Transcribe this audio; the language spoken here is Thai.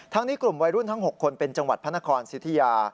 นี้กลุ่มวัยรุ่นทั้ง๖คนเป็นจังหวัดพระนครสิทธิยา